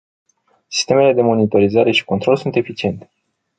Sistemele de monitorizare și control sunt eficiente.